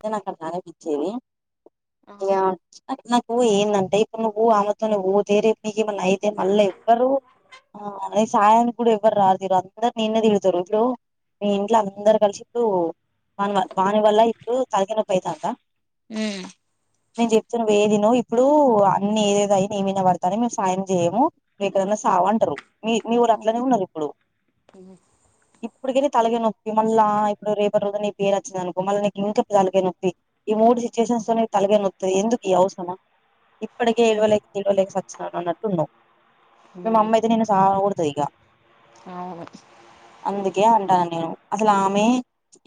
The నాక్కదానే బిచ్చేవి అవును ఇంకా నాకు ఏం కనిపియ్య నువ్వు ఆమెతోనిపోతే రేపు నీకు ఏమన్నా అయితే మళ్ల ఎవ్వరు ఆ ని సాయానికి కూడా ఎవ్వరు రారు అందరు నిన్నే డిదతరు ఇప్పుడు మీ ఇంట్లో అందరు కలిసి ఇప్పుడు మన వాని వల్ల ఇప్పుడు తలకాయనొప్పి అయితది ఉమ్ నేను చెపితే నువ్వు ఏది వినవు ఇప్పుడు అన్ని ఏదేదో అయ నీమీద పడతన్ని మేము సాయం చేయము నువ్వుక్కడ సావంటారు మీ మీ వోళ్ళో అట్లనే ఉన్నది ఇప్పుడు ఉ ఇప్పుటిక తలగనొప్పి మళ్ళా ఇప్పుడు రేపటి రోజు నీ పేరు వచ్చిందినుకో మళ్ళీ నీకు ఇంకా తలకాయ నొప్పి ఈ మూడు సిచ్యుయేషన్స్ తలగనొత్తది ఎందుకు ఈ అవసరమా ఇప్పటికే ఏడవలేక తడవలేక సచ్చినాను అన్నట్టు ఉన్నావు మే అమ్మయితే నిన్ను సవాగోడు ఇగా అవును ఏమి అంటనన్ను నేను అసలు ఆమె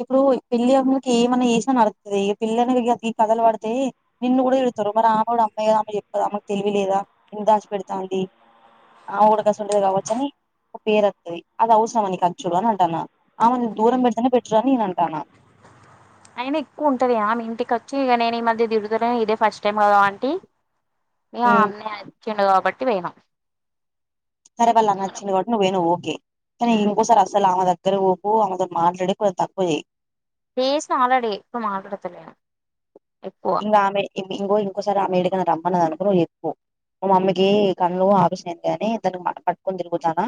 ఇప్పుడు పెళ్లి అమ్కి ఏమన్నా నడుతుంది ఇక పిల్లని ఈ కథలు పడితే నిన్ను కూడా తిడతారు మరి ఆమె గూడా అమ్మే కదా ఆమె చెప్పదీ ఆమె లేదా ఎం దాచి పెడతాంది ఆవుడు కూడా గసవంటిదే కావచ్చ అని ఒక పేరు వత్తది అది అవసరం నికి వచ్చుడు అని అంటాన్నా ఏమేనీ దూరం పెడితెనే బెటర్ అన్ని నేను అంటన్న అయినా ఎక్కువ ఉంటది ఆమె ఇంటికి వచ్చి ఇక నేను ఈ మధ్య తిడుత ఇదే ఫస్ట్ టైం కదా అంటి మీ ఉమ్ ఆమెన్ వచ్చిండు కాబట్టి పోయిన సరే వాళ్ళ అన్న వచ్చిన కాబట్టి నువ్వు పోయిన ఓకే కానీ ఇంకోసారి అసలు ఆమె దగ్ర గ్గర పోకు ఆమె తో మాట్లాడే కొ తక్కువ చెయ్ చేశా ఆల్రెడీ ఎక్కువ మాట్లడతలేను ఇంగా ఆమె ఇంగో ఇంకోసారి ఆమె ఏడికిన రమ్మన్నాది అనుకో నువ్వు చెప్పు మా మ్మమి కి కండ్లు ఆవేశనతాయిని దాని పట్టుకొని తిరుగుతాన్న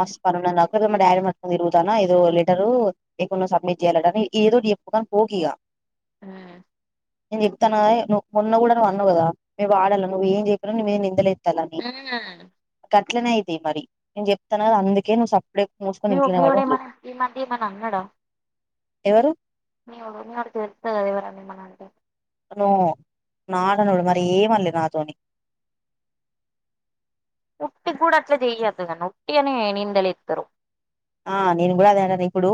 మస్తు పనున్నది నాకు మా డాడీ తిరుగుతన్న ఏదో లెటర్ ఎక్కన్నో సబ్మిట్ చేయాలని ఏదో ఒకటి చెప్పు గాని పోకిగా ఆ నేను చెప్తాన్న నువ్వు మొన్న కూడా అన్నావు కదా మేము వాడాల నువ్వు ఏం చెప్పినా నిందలే ఆ అట్లనే అయితాయి మరి నేను జెప్తున్న అందుకే నువ్వు సప్పుడు మీఓ మీఓడు ఏమన్న ఈ మధ్య ఏమన్నా అన్నడా ఎవరు మీఓడు మీఓడు తెలుత్తది గదా ఎవరన్నా ఏమన్నా అంటే నో నాడనడు మరి ఏమనల్లే నాతోని ఉట్టి గూడా అట్లా చెయొద్దు గాని ఉట్టిగనె నింద లేత్తరు ఆ నేను గూడా అదే అనేది ఇప్పుడు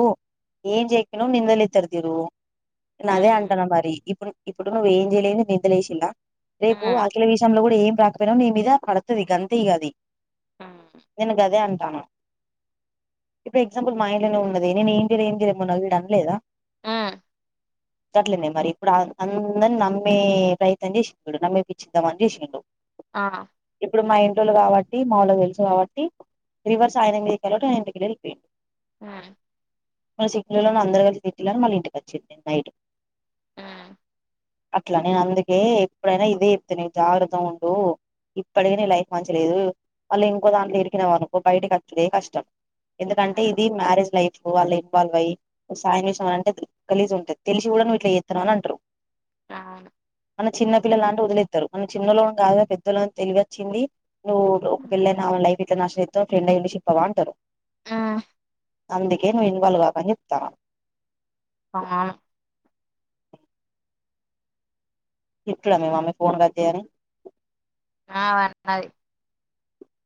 ఏం జెయ్యకపోయినా నిందలేత్తరు తిరు అదే అంటున్నా మరి ఇప్పుడు ఇప్పుడు నువ్వు ఏం జేయలే నిందలేషిర్లా రేపు ఆఖిల విషయంలో గూడా ఏం కాకపోయినా నీ మీద పడతది గంతే ఇగ అది నేను గదే అంటానా. ఇప్పుడు ఎగ్జాంపుల్ మా ఇంట్లోనే ఉన్నది. నేను ఏమ్ జేయలే జేయలే మొన్న వీడు అనలేదా. ఆ గట్లనే మరి ఇప్పుడు అందరిని నమ్మే ప్రయత్నం జేసిండు నమ్మేపిచ్చిద్దామని జూసిండు ఆ ఇప్పుడు మా ఇంటోళ్ళు గాబట్టి మా వోళ్ళకు దెలుసు కాబట్టి రివర్స్ ఆయన మీదకెళ్ళుటే ఇంట్లకెళ్ళి యెళ్ళిపోయిండు. ఉమ్ మన సిక్కులలో అందరూ కలిసి తిట్టిలని మళ్ళీ ఇంటికి వచ్చిండు నైట్ ఉమ్ అట్లా నేను అందుకే ఎప్పుడైనా ఇదే చెప్తా నీకు జాగ్రత్త ఉండు ఇప్పటికే నీ లైఫ్ మంచి లేదు మళ్ళ ఇంకో దాంట్లో ఇరికినవనుకో బయటకి వచ్చుడే కష్టం. ఎందుకంటే ఇది మ్యారేజ్ లైఫ్ వాళ్ళ ఇన్వాల్వ్ అయ్యి సాయం చేసినవ్ అని అంటే గలీజ్ ఉంటది తెలిసి గూడా నువ్ ఇట్లా జేస్తున్నాం అని అంటరు. అవును మనం చిన్నపిల్లలా అంటే వదిలేత్తరు. మనం చిన్నోలం గాదుగా పెద్దోలం తెలివి వచ్చింది. నువ్వు హ్మ్ ఒకపెళ్ళి అయిన ఆమె లైఫ్ ఇట్ల నాశనం చేస్తవ్ ఫ్రెండ్ అయి ఉండి చెప్పావా అంటరు. ఆ అందుకే నువ్వు ఇన్వాల్వ్ గాకు అని జెప్తున్న కాను తిట్లే మీ మమ్మీ ఫోన్ కట్ జేయ్ అని ఆ వన్నది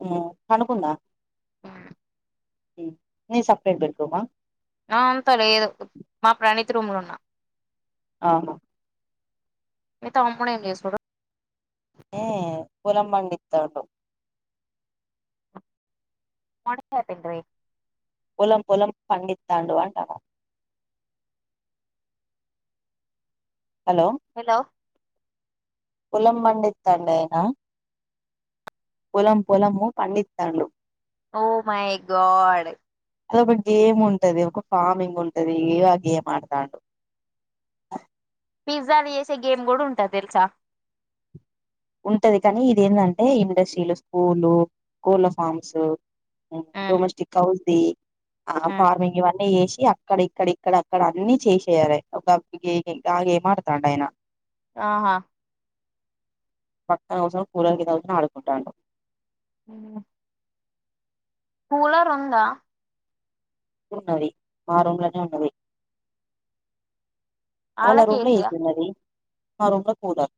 ఉమ్ పండుకుందా. ఉమ్. నీ సప్రేట్ బెడ్ రూమా ఆ అంత లేదు మా ప్రణిత్ రూమ్ లో ఉన్నా అవును మీ తమ్ముడు ఏం జేస్తుండు ఏ పొలం బండితుండు మాడికాయ్ తింటిరీ పొలం పొలం పండితాండు అంటున్న హలో పొలం పండితాం డాయనా పొలం పొలము పండితాండు ఓ మై గాడ్ అది ఒక గేమ్ ఉంటది. ఒక ఫార్మింగ్ ఉంటది. ఏదో ఆ గేమ్ ఆడతాండు. [inaudible] పిజ్జాలు చేసే గేమ్ గూడా ఉంటది దెలుసా ఉంటది కానీ ఇది ఏంటంటే ఇండస్ట్రీలు స్కూలు కోళ్ళ ఫామ్స్ ఉమ్, డొమెస్టిక్ హౌస్ ఆ ఉమ్. ఫార్మింగ్ ఇవన్నీ చేసి అక్కడ ఇక్కడ ఇక్కడ అక్కడ అన్నిీ చేసయార ఒక గా ఏ ఆడుతాడు ఆయన ఆహా పక్కన కూసోని కూలర్ కింద ఆడుకుంటాడు అ కూలర్ ఉందా ఉన్నది మా రూమ్ లోనే ఉన్నది వాళ్ళ ఆళ్ళకి రూమ్ లో ఏసీయా ఏసి ఉన్నది మా రూమ్ లో కూలర్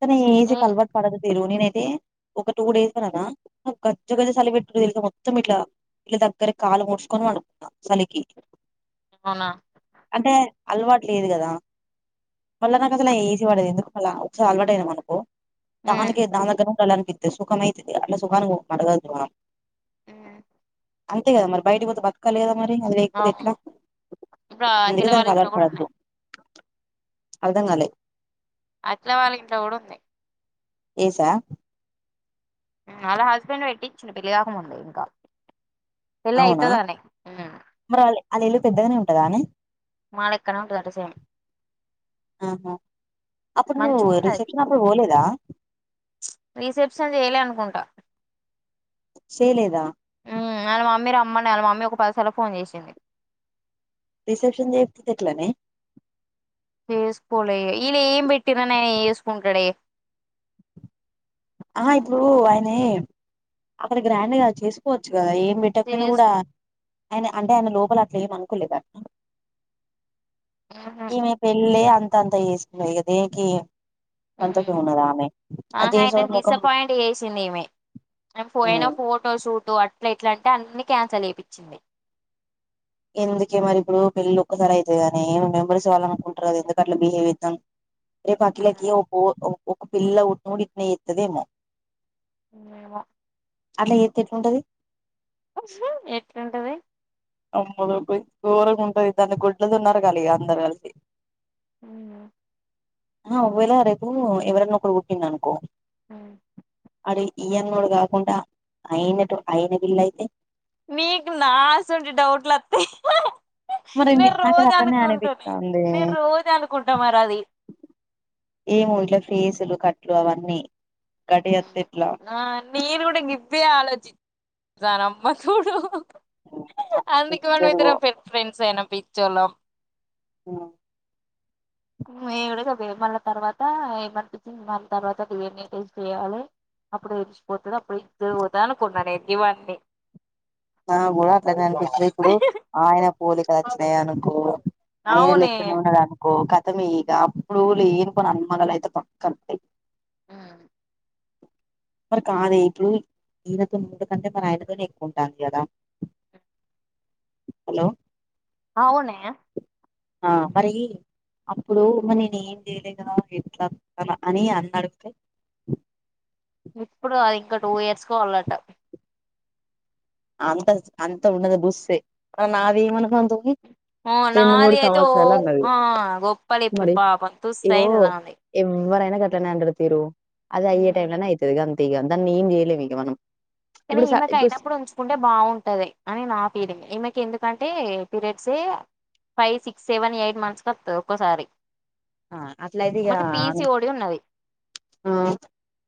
కానీ ఏసి ఏ కి అలవాటు పడొద్దు తీరు నేనైతే ఒక టూ డేస్ అదా ఉమ్, గజ్జగజ్జ చలి పెెట్టురు తెలుతే మొత్తం ఇట్లా ఇట్లా దగ్గర కాలు ముూచుకొని పడుకున్న చలికి అవునా అంటే అలవాటు లేదు కదా మళ్ళా నాకు అసలు ఉమ్, ఏసి పడదు ఎందుకు మళ్ళ ఒకసారి అలవాటు అయిన మనకు ఉమ్, దానికి దాని దగ్గర నుళ్ పెద్ద సుఖమైతది అట్లా సుఖం అడగొద్దు మనం హమ్ అంతే కదా మరి బయటికి పోతే బతకాలి కదా మరి అది లేకపోతే ఎట్లా అవును ఇప్పుడు ఆ అందుకే అఖిల వాళ్ళ దానికి ఇంట్లో అలవాటు కూడా పడద్దు ఉన్నాయి అర్థం కాలే అట్లా వాళ్ళకి ఇంట్లో కూడా ఉంది ఏస వాళ్ల హస్బెండ్ పెట్టిచ్చిండు పెళ్లి కాకముందే ఇంకా పెళ్లి అయితదనేే ఉన్నాడు అలా ఇల్లు పెద్దగానే ఉంటదా అనే మా లెక్కనే ఉంటది అంట సేమ్ ఆహా అప్పుడు నువ్వు మంచిగా ఉంటది రిసెప్షన్ అప్పుడు పోలేదా రిసెప్షన్ చేయాల అనుకుంటు బ సేయలేదా నాళ్ళ మమ్మీ రమ్మడి నళ్ళ మమ్మీ ఒక పదిసార్ ఫోన్ చేసింది రిసెప్షన్ చేయక పోతే ఎట్లనే చేసుకోలే వీళ్ళు ఏం పెట్టిర్రని ఆయన చేసుకుంటాడే ఆ ఇప్పుడు ఆయన అక్కడ గ్రాండ్ గా చేసుకోవచ్చు కదా ఏ పెట్టకపోయినా చేస్ కూడా ఆయన అంటే ఆయన లోపల అట్లా ఏమ అనుకోలే క మ్హు ఈమె పెళ్ళి అంత అంతా చేసుకున్నాయి ఇక దేనికి కొంత ఉన్నది ఆమె అజే స అపాయింట్ చేసింది ఈమె ఆ పోయిన ఉమ్, ఫోటోస్ ఫోటో అట్లా ఇట్లా అంటే అన్నీ క్యాన్సల్ చేయిించింది ఎందుకే మరి ఇప్పుడు పెళ్ళ ఒక్కసారి అవుతుంది కాని మెంబర్స్వాలనుకుంటారు కద ఎందుకు అట్లా బిహేవ్ చేస్తుండు రేపు అటిలకి ఉమ్ ఓ ఒక పిల్ల పుట్టిన ఇట్లనే చేరుతదేమో ఏమో అట్ల చేస్తే ఎట్లుంటది ఎట్లుంటది అమ రూపా ోరగా ఉంటుంది దాన్ని గొడ్డలితో నరకాలి ఇక అందరు కలిసి హమ్ ఆ వ్వేలా రేపు ఎవరనా ఒకరు పుట్టింది అనుకో అ అది ఈయన్నోడు కాకుండా అయినట్టు అయిన బిల్లు అయితే నీకు నా అసువంటి డౌట్లు వత్తై మరి నేను నాకది అట్లనే రోజనుకుంటను అనిపిస్తుంది నేను రోజ అనుకుంటా మరి అది ఏమో ఇట్ల ఫీజులు కట్లు అవన్నీ గటి అత్తే ఇట్లా ఆ నేను కూడా ఇవ్వే ఆలోచిస్థాన అమ్మ తోడు అందుకే పిచ్చదిగో మనమిద్దరం ఫ్రె ఫ్రెండ్స్ ఐనం పిచ్చోళ్ళం ఆ విడిగా మళ్ళ తర్వాత ఏమనిపించి మళ తర్వాత డీ ఎన్ ఏ టేస్ట్ చేయాలే అప్పుడు విలిచిపోతది అప్పుడు ఇదు పోదా అనుకున్నా ఇవన్ని నా కూడా అట్లానే అనిపిస్తుంది ఇప్పుడు ఆయన పోలికలు వచ్చినాయి అనుకో అయన అవునే లెక్కనే ఉన్నాడనుకో ఖతం ఇగ అప్పుడు లేనిపోని అనుమానాలు అయితే పక్క వత్తయ్ ఉ మరి కాదే ఇప్పుడు ఈయనతోని ఉండే కంటే మరి ఆయనతోనే ఎక్కువుం టాంది కదా హలో ఆవునే ఆ మరి అప్పుడు మరి నేను ఏం చేయలే కదా ఎట్లా అని అన్నడు ఇప్పుడు కాదు ఇంకా టూ ఇయర్స్కో వళ్ళట అంత అంత ఉండదు బుస్సే ఆ రెండు మూడు నాది అయితే ఓ సంవత్సరాలు అన్నది ఆ గొప్పలు ఇప్పి మరి పాపం తుస్ ఇగో అయింది దాంది ఎవ్వరైనా గట్లనే అంటరు తీరు అది అయ్యే టైం లోనే అయితది గంతే ఇగ దాన్ని ఏం చేయలేం ఇగ మనం ఇప్పుడు స ఇప్పుడు స చెప్పుకుంటే బాగుంటది అని నా ఫీలింగ్ ఈమెకి ఎందుకంటే periods five six seven eight months కస్తది ఒక్కసారి ఆ అట్లయితే ఇగ ఆమె ఉన్నది ఆ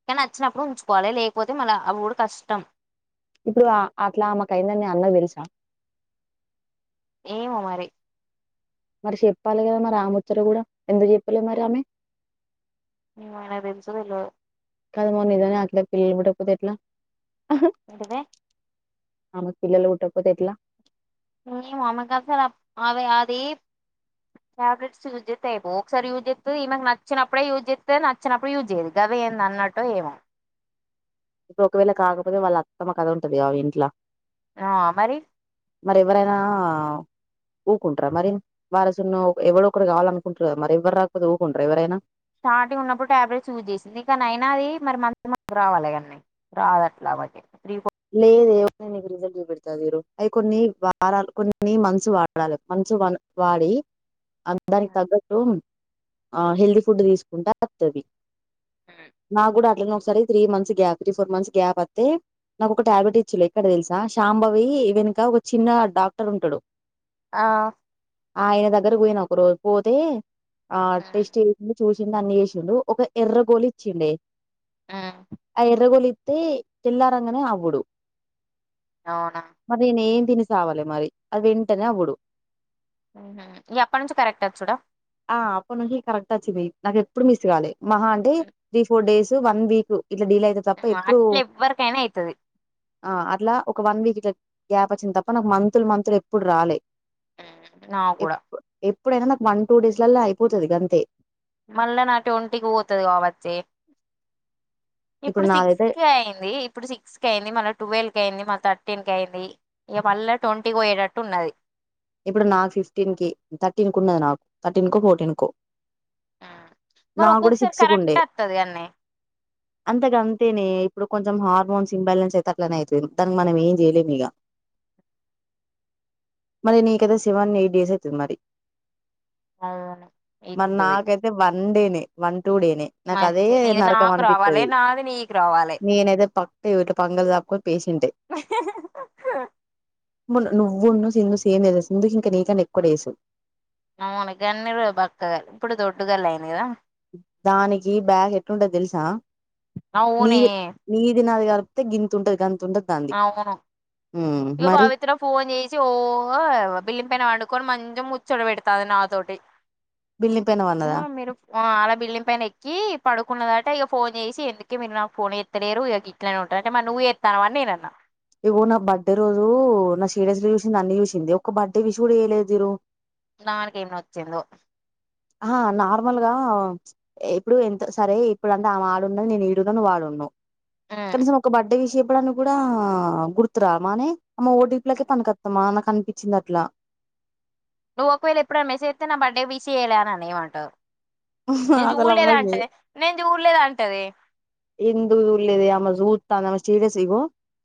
కానీ అచ్చినప్పుడు ఉంచుకోవాలి లేకపోతే మళ్ళ అవ్వుడు కష్టం ఇప్పుడు అట్లామకైందని అన్నకి తెలుసా ఏమో మరి మరి చెప్పాలి కదా మరి ఆ ముచ్చట కూడా ఎందుకు చెప్పలే మరి ఆమె ఆయనకు తెలుసో తెలవదో కాదు మరి నిజంగానే పిల్లలు పుట్టకపోతే ఎట్లా ఏంటిది ఆమెకు పిల్లలు పుట్టకపోతే ఎట్లా ఏమో ఆమెకసలు అత్ ఆమె అది ట్యాబ్లెట్ యూస్ చెత్తే అయిపోవు ఒకసారి యూజ్ చేస్తుంది ఈమెకు నచ్చినప్పుడే యూజ్ చెత్తది నచ్చనప్పుడు యూజ్యేదు గద ఏందన్నటో ఎమో ఇప్పుడు ఒకవేళ కాకపోతే వాళ్ళ అత్తమ్మ కథ ఉంటదిగా ఇంట్ల ఆ మరి మరి ఎవరైనా ఊకుంటార మరి వారసున్నో ఎవడొ ఒకరు కావాలనుకుంటారు కదా మరి ఎవ్వరు రాకపోతే ఊకుంటార ఎవరైనా స్టార్టింగ్ ఉన్నప్పుడు టాబ్లెట్స్ యూస్ చేసింది కానీ అయినా అది మరి మంత్లీ మంత్లీ రావాలి కాన్ని రాదట్లా ఒకటి త్రి లేదు అవి కొన్ని వారాలు కొన్ని మంత్స్ వాడాలి వాడి దానికి తగ్గట్టు ఆ హెల్దీ ఫుడ్ తీసుకుంటే అది వస్తది హ్మ్. నాకు కూడా అట్లనే ఒకసారి three months gap three four months gap అతే నాకు ఒక టాబ్లెట్ ఇచ్చిలు ఎక్కడ తెలుసా శాంబవి వెనుక ఒక చిన్న డాక్టర్ ఉంటడు ఆ ఆ ఆయన దగ్గర పోయిన ఒక రోజు పోతే ఆ హ్మ్ టెస్ట్ చేయకుండ చూసి చ్చిండు అన్ని ఏశిండు ఒక ఎర్రగోలు ఇచ్చిండే హ్మ్. ఆ ఎర్రగోలు ఇస్తే తెల్లారంగనే అవుడు అవునా అది నేన్ తిని సావలే మరి అది వెంటనే అవుడు హుహు. ఇగ అప్పటి నుంచి కరెక్ట్ వచ్చుడా ఆ అప్ప నుంచి కరెక్ట్ వచ్చింది నాకెప్పుడు మిస్ కాలే మహా అంటే three four days one week ఇట్లా డీల్ అయితది తప్ప ఎప్పుడు అట్లా ఎవ్వరికైనా అయితది ఆ అట్లా ఒక వన్ ఇట్ల గ్యాప్ వచ్చింది తప్ప నాకు మంతులు మంతులు ఎప్పుడు రాలే నా కూడా ఎప్పు ఎ ఎప్పుడైనా నాకు వన్ టూ డేస్లల అయిపోతది గంతే మళ్ళా నా ట్వంటీ కి పోతది కావచ్చె ఇప్పుడు సిక్స్ కి అయింది ఇప్పుడు సిక్స్ కి అయింది మన ట్వెల్వ్ కయింది మ థర్టీన్ కయింది ఇక మల్ల ట్వంటీకి పోయ్యేటట్టు ఉన్నది ఇప్పుడు నాకు ఫిఫ్టీన్ కి థర్టీన్ కు ఉన్నది నాకు థర్టీన్ కో ఫోర్టీన్ కో హ్మ్. మరి నా కూడా ఒక్కొక్కసారి సిక్స్ కరెక్ట్ కుండే వత్తది అన్నే అంతకంతేనే ఇప్పుడు కొంచెం హార్మోన్స్ ఇంబాలెన్స్ అయితట్లనే ఐతది దానికి మనం ఏం చేయలేం ఇక మరి నీకైతే సెవన్ ఎయిట్ డేస్ అయితది మరి అవును మరి ఇత్తది నాకైతే వన్ వండెనే వన్ టుడేనే నాకు అదే మంచి నీది నరకం నాకు రావాలే అనిపితది నాది నీకు రావాలే నేను ఏతే పక్క ఇట్ల ఇంగో పంగ కొన్ పేస్ ఇంటయ్ మొన్న నువ్వు ను సిందు సేమ కదా సిందుకి ఇంక నీకన ఎక్కుడ డేసు అవును గన్నీరు బక్కగా ఇప్పుడు దొడ్డు గలి అయింది కదా దానికి బ్యాగ్ ఎట్టుంటది తెలుసా అవునే నీది నీది నాది గలుప్ తె గింతుంటది గతుంటది దాంది ఉమ్ ఇక మరి పవిత్ర ఫోన్ చేసి ఓ బిల్లిం పైన వండుకొని మంచి ఇగ ముచ్చడ పెడతాంది నా తోటి బిల్లి పైన వన్నదా ఊ అళ బిల్డింగ్ పైన ఎక్కి పడుకున్నదట ఇక ఫోన్ చేసి ఎందుకె మీరు నాకు ఫోన్ ఎత్తలేరు ఇక ఇట్నే ఉంట అంటే మరి నువు ఎస్తనవ అని నేనన్న ఇగో నా బర్త్డే రోజు నా సీడస్ లు చూసింది అన్ని చూసింది ఒక్క బర్త్డే విష్ కూడా చేయ లేదు ఇరు దానికేం నొచ్చిందో ఆహా నార్మల్ గా ప్చ్ ఇప్పుడు ఎంత సరే ఇప్పుడంతా అమ ఆడున్నది నేను ఈడున నువ్ ఆడున్నవ్ ఉమ్ కనీసం ఒక బర్త్ డే విష్ చెప్ ప్పడనికి కూడా గుర్తురామానే అమ్మ ఓడటిపులకే పనికొస్తామా అ నాకు అనిపించింది అట్లా [inaudible] నువ్వు ఒకవేళ ఎప్పుడు మెస్ ఏతే నా బర్డే బిస్ చేయాల అని అను ఏమంటదో నేను అసలు అమ్మకి చూలేదంటే నేను చూడలేదంటది ఎందుకు జూలేదే అమ జూతాంది అమ స్టేటస్ ఇగో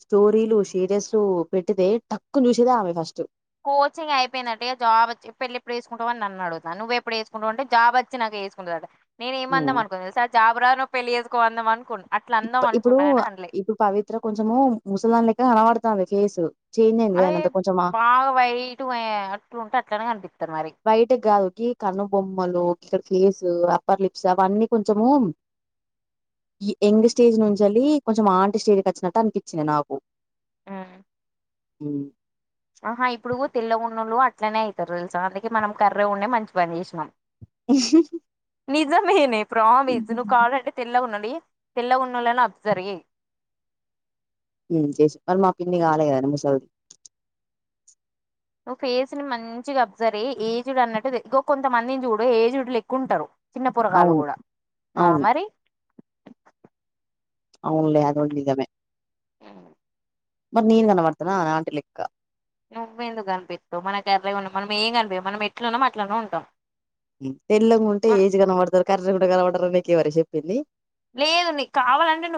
స్టోరీలు సీరియస్లు పెట్టితే టక్కు చూసేదామె ఫస్ట్ కోచింగ్ అయిపోయిందట ఇగా జాబ్ వచ్చి పెళ్లి ఎప్పుడు చేసుకుంటవని నన్నడుగుతంది నువ్వప్పుడు చేసుకుంటవు అంటే జాబ్ వచ్చి నాకు చేసుకుంటదటా నేను ఉమ్ ఏమందమనుకున్నా తెలుసా జాబ్ రాదు పెళ్లిచేసుకోవు అందాం అనుకు ఇప్పు ఇప్పుడు ఇప్పుడు పవిత్ర కొంచము ముసల్దానిలెక్క కనబడుతాంది ఫేసు. అది బాగా వైటు అయే అట్లుంటే అట్లనే కనిపి వైటుకి కాదు గి కనుబొమ్మలు గిక్కడ ఫేసు, అప్పర్ లిప్స్ అవన్నీ కొంచము ఈ ఎంగ్స్టేజ్ నుంచెలి కొంచెం ఆంటిస్టేజ్కి వచ్చినట్టు అనిపిచ్చింది నాకు. ఆ హ్ ఆహా ఇప్పుడు తెల్లగున్నోళ్ళు అట్లనే అయితరు తెలుసా. అందుకే మనం కర్రెగ ఉండే మంచిపని చేసినం. అ నిజమేనే ప్రామీస్ నువ్వు కావలంటే తెల్లగా ఉం డి తెల్లగున్నోలని అబ్జర్వ్ చేయి. ఉ చేశి మరి మా పిన్ని కాలేదు కదే ముసల్ది. నువ్వు ఫేసుని మంచిగా అబ్జర్వ్ చెయ్యి ఏజ్డ్ అన్నట్టు ఇగో కొంతమందిని చూడు ఏజ్డ్ లెక్కుంటరు. చిన్న పొరగాల్లు అవును కూడా ఆ అవును మరి. అవునులే అది కూడ నిజమే. మరి నేను కనపడ్తనానే ఆంటి లెక్కా. నువ్వు ఎందుకు కనిపిత్తవు. మనం కర్రెగున్నం మనం ఏం కనిపియం మనం ఎట్లున్నం అట్లనే ఉంటం. తెల్లగా ఉంటే ఏజ్ కనబడతరు, కర్రెగ ఉంటే కనపడరు అని నీకు ఎవరె చెప్పింది. లేదు నీకు కావాలంటే నువ్వు